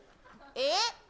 えっ？